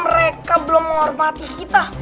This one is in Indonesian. mereka belum menghormati kita